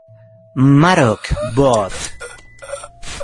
Maroc, Bot.